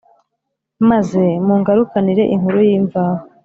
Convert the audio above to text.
maze mungarukanire inkuru y’imvaho.